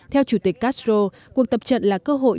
theo chủ tịch castro cuộc tập trận là cơ hội